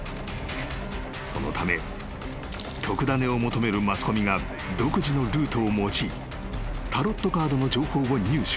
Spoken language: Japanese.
［そのため特ダネを求めるマスコミが独自のルートを用いタロットカードの情報を入手］